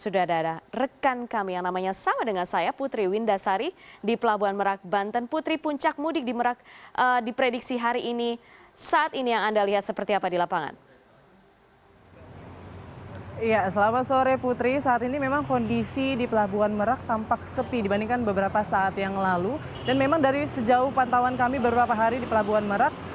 dan memang dari sejauh pantauan kami beberapa hari di pelabuhan merak